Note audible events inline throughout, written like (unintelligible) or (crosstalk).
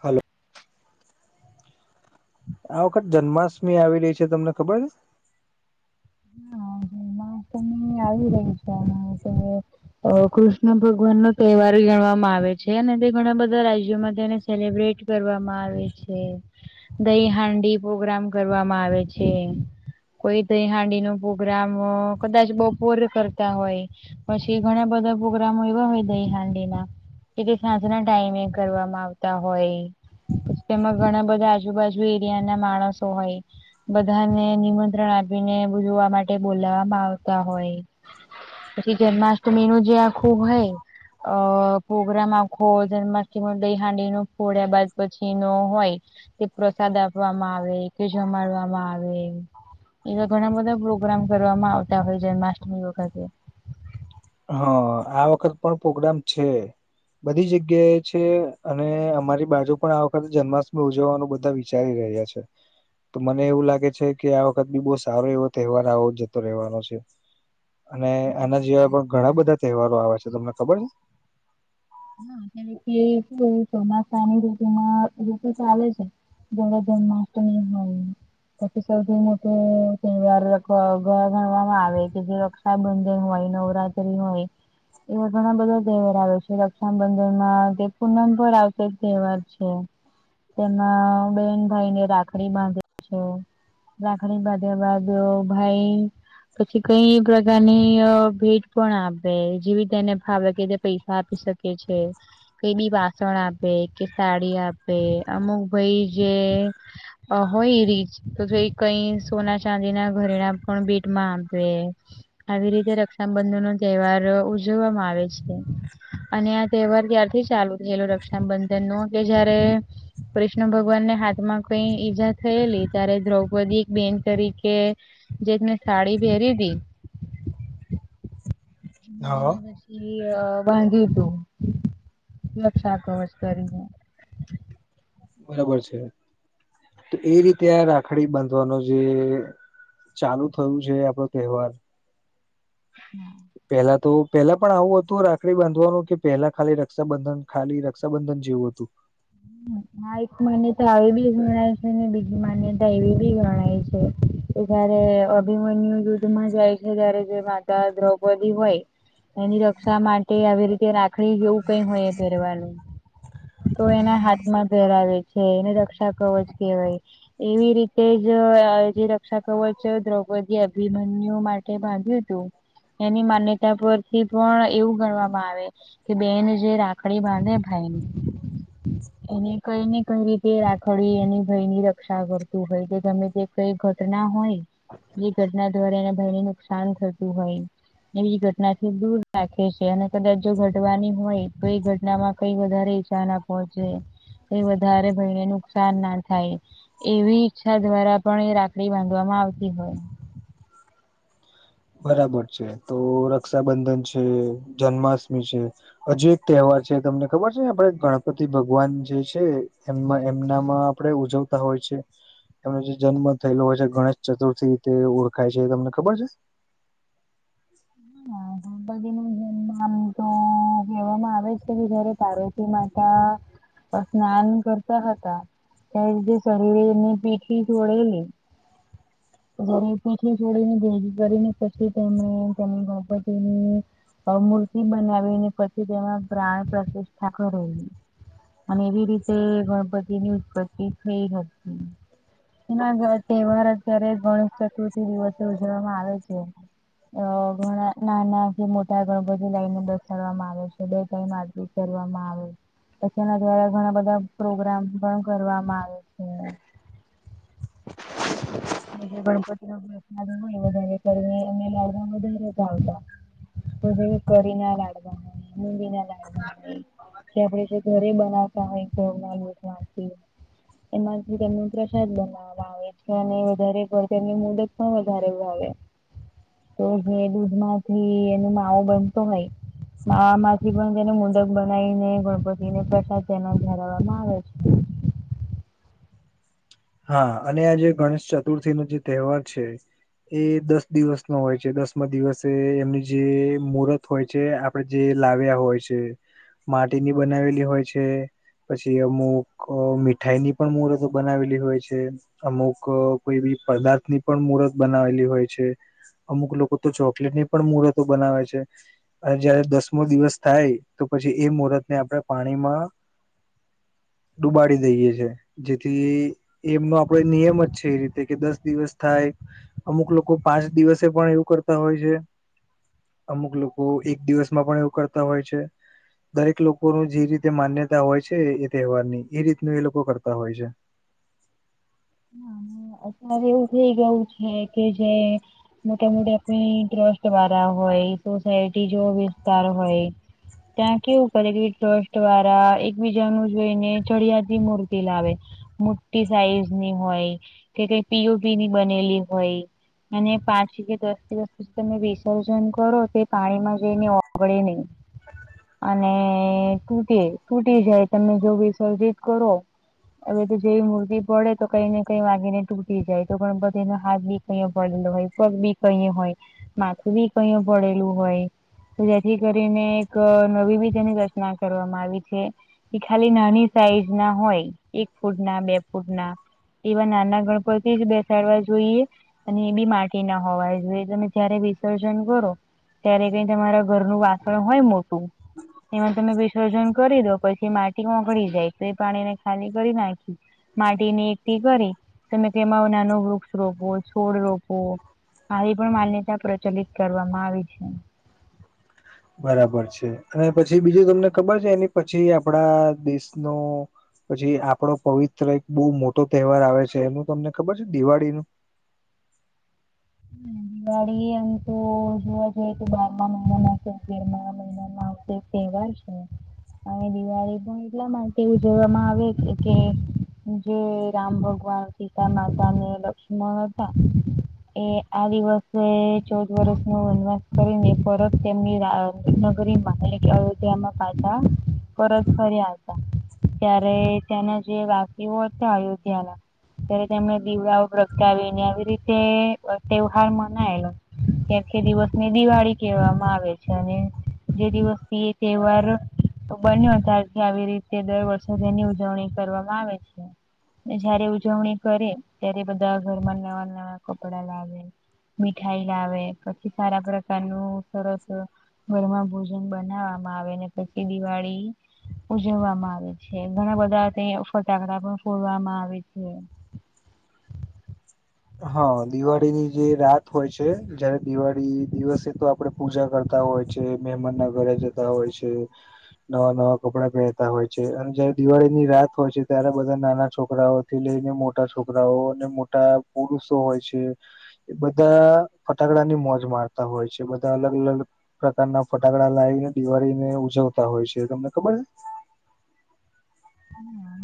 Hello. આ વખત જન્માષ્ટમી આવી રહી છે તમને ખબર. (inaudible) તમે આવી રહી છે આ કૃષ્ણ ભગવાનનો તહેવાર ગણવામાં આવે છે અને તે ઘણા બધા રાજ્યોમાં તેને સેલિબ્રેટ કરવામાં આવે છે. દઈહાંડી પ્રોગ્રામ કરવામાં આવે છે કોઈ દઈહાંડી નું પ્રોગ્રામ કદાચ બપોર કરતા હોય. પછી ઘણા બધા પ્રોગ્રામો એવા હોય દઈહાંડી ના. કે સાંજના ટાઈમે કરવામાં આવતા હોય. તેમાં ઘણા બધા આજુબાજુ એરિયાના માણસો હોય. બધાને નિમંત્રણ આપીને જોવા માટે બોલાવામાં આવતા હોય. પછી જન્માષ્ટમી નું જે આખું હોય અ પ્રગ્રામ આખો જન્માષ્ટમી દઈહાંડી ને ફોડ્યા બાદ પછી નો હોય. તે પ્રસાદ આપવામાં આવે જમાડવામાં આવે એવા ઘણા બધા પ્રોગ્રામ કરવામાં આવતા હોય જન્માષ્ટમી વખતે. હા આ વખત પણ પ્રોગ્રામ છે. બધી જગ્યાએ છે અને અમારી બાજુ પણ આ વખતે જન્માષ્ટમી ઉજવવાનું બધા વિચારી રહ્યા છે. તો મને એવું લાગે છે કે આ વખત બી બહું સારો એવો તહેવાર આવો જતો રહેવાનો છે. અને આના જેવા પણ ઘણા બધા તહેવારો આવે છે તમને ખબર છે. હા કારણ કે શું ચોમાસાની ઋતુમાં ઋતુ ચાલે છે. ત્યારે જન્માષ્ટમી હોય. પછી સૌથી મોટી તવાર ગણવામાં આવે કે જે રક્સબનદન હોય નવરાત્રી હોય એવા ઘણા બધા તહેવાર આવે છે. રકસાબંદર માં તે પૂનમ પર આવતો જ તહેવાર છે તેમાં બેન ભાઈ ને રાખડી બાંધી છે. રાખણી બાધ્યામાં બ ભાઈ. પછી કઈ પ્રકારની ભેટ પણ આપે જેવી તેને ભાવ લાગે પૈસા આપી શક કે છે. કઈ બી વાસણ આપે કે સાડી આપે અમુક ભાઈ જે હોય એ રી તો કઈ સોના ચાંદી ના ઘરેણા પણ બેટમાં આપે. આવી રીતે રક્ષાબંધન નો તહેવાર ઉજવવામાં આવે છે. અને આ તહેવાર ત્યારથી ચાલુ થયેલો રક્ષાબંધન નો કે જયારે કૃષ્ણ ભગવાનને હાથમાં કઈ ઈજા થયેલી ત્યારે દ્રૌપદી એક બેન તરીકે જે મેને સાડી પહેરી તી. (inaudible) છે હા (unintelligible) લક્ષા કવચ કરીને. બરાબર છે તો એ રીતે આ રાખડી બાંધવાનો જે ચાલુ થયું છે આપડો તહેવાર. પેલા તો. પેલા પણ આવું હતું રાખડી બાંધવાનું કે પહેલા ખાલી રક્ષાબંધન ખાલી રક્ષાબંધન જેવું તું. (inaudible) હ એક માન્યતા આવી બી ગણાય છે ને બીજી માન્યતા એવી બી ગણાય છે. જયારે અભિમન્યુ દુદ્ધમાં જાય છે ત્યારે જે માતા દ્રૌપદી હોય. એની રક્ષા માટે આવી રીતે રાખ ડી જેવું કઈ હોય એ પહેરવાનું તો એના હા પરાવે છે એને રક્ષા કવ જ કહેવાય. એવી રીતે જ જે રક્ષા કવચ છે દ્રૌપદી અભિમન્યુ માટે બાંધ્યું હતું એની માન્યતા પરથી પણ એવું ગણવામાં આવે. કે બેન જે રાખડી બાંધે ભાઈ ને એને કઈ ને કઈ રીતે રાખડી એની ભયની રક્ષા કરતું હોય કે તમે જે કઈ ઘટના હોય એ ઘટના દ્વારા એના ભાઈને નુકસાન થતું હોય. એવી ઘટનાથી દૂર રાખે છે અને કદાચ જો ઘટવાની હોય તો એ ઘટના માં કઈ વધારે નુ પહોંચે એ વધારે ભયને નુકસાન ના થાય. એવી ઈચ્છા દ્વારા પણ એ રાખડી બાંધવામાં આવતી હોય. બરાબર છે તો રક્ષાબંધન છે જન્માષ્ટમી છે. હજુ એક તહેવાર છે તમને ખબર છે આપડે ગણપતિ ભગવાન જે છે એમ એમનામાં આપણેે ઉજવતા હોય છે. એમનો જે જન્મ થયેલો હોય છે ગણેશ ચતુર્થી તે ઓળખાય છે તમને ખબર છે? (inaudible) (inaudible) (unintelligible) આમ તો કહેવામાં આવે જ કે જારે પાર્વતી માતા સ્નાન કરતા. ત જે શરીરેની પીઠી સોડેલી. અરે પછલી છોડી ને ભેજ કરીને પછી તોમે. (unintelligible) મૂર્તિ બનાવીને પછી તેમાં પ્રાણ પ્રતિષ્ઠા કરે અને એવી રીતે ગણપતિની ઉત્પત્તિ થઈ હતી. એના તહેવાર અત્યારે ગણેશ ચતુર્થી દિવસે ઉજવવામાં આવે છે. (inaudible) નાનાથી મોટા ગણ બધી લાઈને બસડવામાં આવે છે બે ટાઈમ આર કરવામાં આવે. પછી ના દ્વારા ઘણા બધા પ્રોગ્રામ પણ કરવામાં આવે. છે. જે (inaudible) ગણપતિ નો પ્રસાદ મળય જેને કરીને અમે લાવા વધારે જ આવતા. તો ભી કરી ના લડતા (unintelligible) ના (unintelligible) તે (unintelligible) કાય (unintelligible) એમાંથી તેમને પ્રસાદ બનાવવામાં આવે છે અને વધરે પણની મુદત પણ વધારે (unintelligible) તો જે દૂધ માંથી એનો માવો બનતો (unintelligible) માંથી પણ તેને મુંડક બનાવીને ગણપતિને પ્રસાદ તેનાલ ધરાવવામાં આવે છે. હા અને આ જે ગણેશ ચતુર્થી નો જે તહેવાર છે. એ દસ દિવસ નો હોય છે દસમાં દિવસે એમનું જે મુર્ત હોય છે અપ આપડે જે લાવ્યા હોય છે માટીની બનાવેલી હોય છે. પછી અમુક મીઠાઈની પણ મુહર્તો બનાવેલી હોય છે અમુક કોઈ બી પદાર્થની પણ મુર્ત બનાવેલી હોય છે. અમુક લોકો તો ચોકલેટની પણ મુર્તો બનાવે છે. અને જયારે દસમો દિવસ થાય તો પછી એ મુરત ને આપણે પાણીમાં ડુબાડી દઈએ છે જેથી એમનો આપડે નિયમ જ છે એ રીતે કે દસ દિવસ થાય અમુક લોકો પાંચ દિવસે પણ એવું કરતા હોય છે. અમુક લોકો એક દિવસમાં પણ એવું કરતા હોય છે. દરેક લોકોનું જે રીતે માન્યતા હોય છે એ તહેવાર ની એ રીતનું એ લોકો કરતા હોય છે. હા અત્યારે એવું ભી ગયું છે કે જે મોટા મોટી આપણી ટ્રસ્ટ વાળા હોય સોસાયટી જો વિસ્તાર હોય. ત્યાં કેવું કરે ટ્રસ્ટ વારા એકબીજાનું જોઈને ચડિયાતી મૂર્તિ લાવે. મોટી સાઈઝની હોય કે કંઈ પીઓપીની બનેલી હોય. અને પાંચ કે દસ દિવસ (unintelligible) તમે વિસર્જન કરોતે પાણીમાં જઈને ઓગળે નહીં. અને તૂટી તૂટી જાય તમે જો વિસર્જિત કરો. હવે તો જેવી મૂતી પડે તો કંઈ ને કંઈ વાગીને તૂટી જાયતો ગણપતિનો હાથબી કંઈ પડેલો હોય, પગબી કંઈ હોય. માથું ભી કયે ભડેલું હોય. જેથી કરીને એક નવીભી તેની રચના કરવામાં આવી છે. એ ખાલી નાની સાઈઝના હોય એક ફૂટના બે ફૂટના. એવા નાના ગણપતિ જ બેસાડવા જોઈએ. અને એબી માટીના હોવા જોઈએ તમે જયારે વિસર્જન કરો. ત્યારે કંઈ તમારા ઘરનું વાસણ હોય મોટું. એમાં તમે વિસર્જન કરીદો પછી માટી ઓગળી જાય તોએ પાણીને ખાલી કરી નાખી. માટીની એકઠી કરી તમે તેમાં નાનો વૃક્ષો રોપો છોડ રોપો. આવી પણ માન્યતા પ્રચલિત કરવામાં આવી છે. બરાબર છે અને પછી બીજું તમને ખબર છે એની પછી આપડા દેશનો પછી આપડો પવિત્ર એક બહુ મોટો તહેવાર આવે છે એનું તમને ખબર છે દિવાળીનું. (inaudible) દિવાળી એમતો જોવા જઈએ તો બારમા મહિના કે તેરમાં મહિનામાં આવતો એક તહેવાર છે. (inaudible) અને દિવાળી પણ એટલા માટે ઉજવવામાં આવે કે કે જે રામ ભગવાન સીતામાતા ને લક્ષ્મણ હતા. એ આવી વસ્તુઓ ચૌદવર્ષનો વનવાસ કરીને પરત તેમની રા નગરીમાં એક અયોધ્યામાં પાછા પરત ફર્યા હતા. ત્યારે ત્યાંના જે વાકીઓ હતાં અયોધ્યાના ત્યારે તેમને દીવડાઓ પ્રગટાવીને આવી રીતે તહેવાર મનાયેલો ત્યાંથી દિવસની દિવાળી કહેવામાં આવે છે અને જે દિવસથી તે તહેવાર તો બંને હજારથી આવી રીતે દર વર્ષે તેની ઉજવણી કરવામાં આવે છે જયારે ઉજવણી કરે ત્યારે બધા ઘરમાં નવા નવા કપડાં લાવે મીઠાઈ લાવે પછી સારા પ્રકારનું સરસ ઘરમાં ભોજન બનાવવામાં આવે ને પછી દિવાળી ઉજવવામાં આવે છે ઘણા બધા ત્યાં ફટાકડા પણ ફોડવામાં આવે છે. હા દિવાળીની જે રાત હોય છે જયારે દિવાળી દિવસે તો આપડે પૂજા કરતા હોય છે મહેમાનના ઘરે જતા હોય છે. નવા નવા કપડા પહેરતા હોય છે અને જયારે દિવાળીની રાત હોય છે ત્યારે બધા નાના છોકરાઓ થી લઈને મોટા છોકરાઓ અને મોટા પુરુષો હોય છે. એ બધા ફટાકડાની મોજ મારતા હોય છે બધા અલગ અલગ પ્રકારના ફટાકડા લાવીને દિવાળીને ઉજવતા હોય છે તમને ખબર છે. ના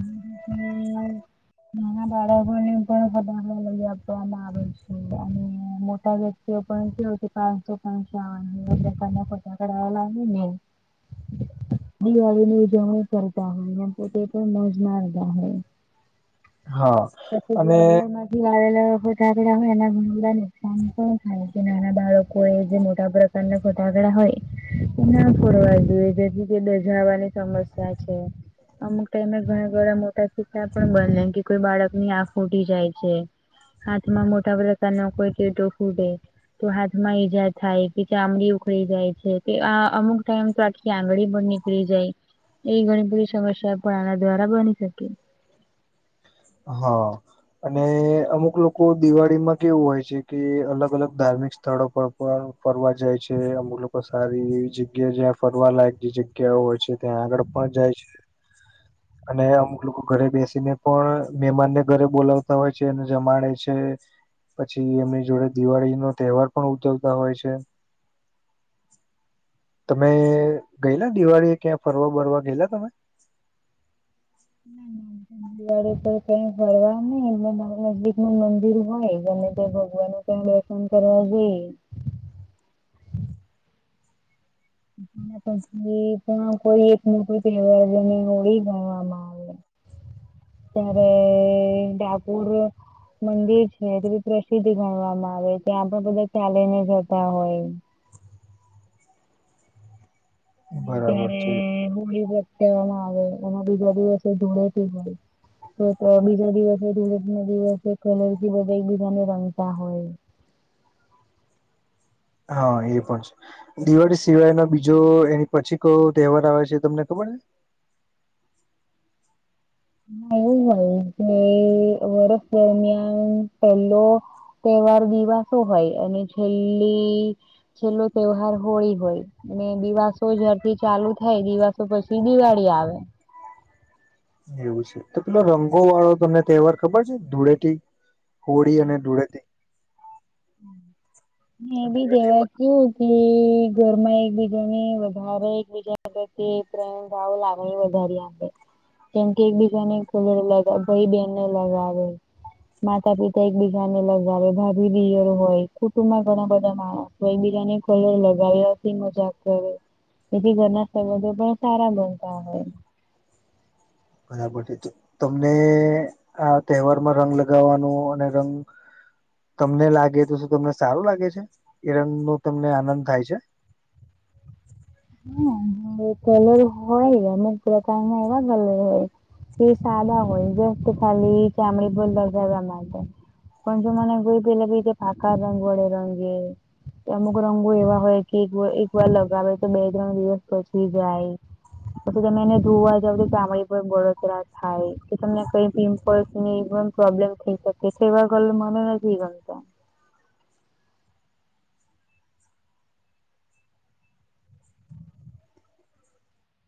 (inaudible) (inaudible) નાના બાળકોને પણ ઘટાદાર લઈ આપવામાં આવે છે અને મોટા જે તે પણ પાંચસો પાંચસોનીના ફટાકડા લાવે ની ને દિવાળીની ઉજવણી કરતા હોય એમ તોતે પણ મોજ માર માર્યો ગયા હોય છે હા પછી જે અને બજારમાં દિવાળી ના ફટાકડા આવેલા બધાજ હોય એ ઘણા બધા નુકસાન પણ થાય કે નાના બાળકો એજે મોટા બાળકો ફટાકડા હોય ના ફોડવા જોઈએ જેથી કે દઝાવાની સમસ્યા છે. અમુક ટાઈમે ઘણા ઘણા મોટા સિક્કા પણ બંનેમાં કે કોઈ બાળક ની આંખ ઉઠી જાય છે. હાથમાં મોટા ભરતાન કોઈ કેતો ફોડતા ઉડે. તો હાથમાં ઈજા થાય કે ચામડી ઉખળી જાય છે કેઆ અમુક ટાઈમ તો આખી આંગળી બળી ફ્રી જાય એ ઘણી બધી સમસ્યા પણ આના દ્વારા બની શકે હા. અને અમુક લોકો લોકો દિવાળી માં કેવું હોય છે કે અલગ અલગ ધાર્મિક સ્થળો પર ફરવા જાય છે અમુ લોકો તો સારી એવી જગ્યા જ્યાં ફરવા લાયક જે જગ્યાઓ હોય છે ત્યાં આગળ પણ જાય છે (inaudible) અને અમુક લોકો ઘરે બેસીને પણ મહેમાન ને ઘરે બોલાવતા હોય છે અને જમાડે છે પછી એમની જોડે દિવાળી નો તહેવાર પણ ઉજવતા હોય છે. (inaudible) તમે ગયેલા દિવાળી ક્યાં ફરવા બરવા ગયેલા તમે ના ના, દિવાળી પર કઈ ફરવા નહી એમાંરા નજીક નુ મંદિર હોય બને તે ભગવાન શન કરવા જે એના પછી પણ કોઈ એક મોકુ તહેવાર નુ ઓળી ગણવામાં આવે (inaudible) ત્યારે ડકોર અ મંદિર છે બી પ્રસિદ્ધ ગણવામાં આવે ત્યાં પણ બધા ચાલી ને જતા હોય બરાબર ત્યારે છે હોળી પ્રગટાવવામાં આવે એમાં બીજા દિવસે ધૂળેટી હોય તો બીજા દિવસે ધરક ના દિવસે કલર થી બધા એકબીજાને રંગતા હોય હા એ પણ છે. દિવાળી સિવાયનો બીજો એની પછી કયો તહેવાર આવે છે તમને ખબર છે હા, એવું હોય કે વર્ષ દરમિયાન પહેલો તહેવાર દિવાસો હોય અને છેલ્લી છેલ્લો તહેવાર હોળી હોય અને દિવાસો જ્યારથી ચાલુ થાય દિવાસો પછી દિવાળી આવે એવું છે તો પેલો રંગો વાળો તમને તહેવાર ખબર છે ધૂળેટી હોળી અને હા. ધૂળેથી (inaudible) મે બી ધૂળેટી દેવા કેવું ઘરમાં એકબીજા ને વધારે એકબીજા એટલે કે પ્રેમભાવ લાગણી વધારી આવેે. કેમ કે એકબીજાને કલર લગાવ ભાઈ બેનને લગાવે. માતા પિતા એકબીજા ને લગાવે ભાભી દિયર હોય કુટુંબમાં ઘણા બધા માણસ હોય બિરની કલર લગાવ્યાથી મજાક કરે. તેથી ઘરના સંબંધો પણ સારા બનતા હોય. બરાબર છે. તો તમને આ તહેવારમાં રંગ લગાવવાનો અને રંગ તમને લાગે તો શું તમને સારું લાગે છે. એ રંગ નો તમને આનંદ થાય છે? હા એ કલર હોય અને લગાવા માં આવા કલર હોય. તે સાદા હોય દ ખાલી ચામડી બોલલા જવા માટે. કોણ જો મને ગઈ પલે બ પાકા રંગ વડે રંગ એ અમુક રંગો એવા હોય કે એક એક વાર લગાવે તો બે ત્રણ દિવસ પછી જાય. પછી તમે એને ધોવા જાવ તો ચામડી પર બળતરા થાય કે તમને કઈ પિમ્પલ્સ ની ગમ પ્રોબ્લેમ થઈ શકે એવા કલર મને નથી ગમતા.